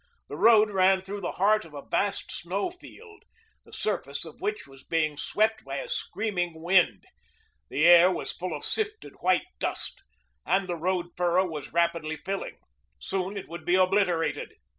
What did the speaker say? The road ran through the heart of a vast snow field, the surface of which was being swept by a screaming wind. The air was full of sifted white dust, and the road furrow was rapidly filling. Soon it would be obliterated.